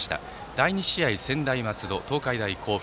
第２試合は専大松戸と東海大甲府。